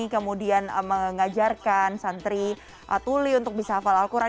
kemudian mengajarkan santri tuli untuk bisa hafal al quran